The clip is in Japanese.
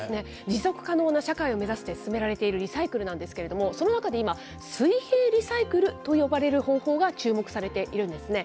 持続可能な社会を目指して進められているリサイクルなんですけども、その中で今、水平リサイクルと呼ばれる方法が注目されているんですね。